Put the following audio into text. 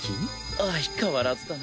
相変わらずだな。